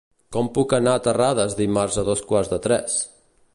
Com puc anar a Terrades dimarts a dos quarts de tres?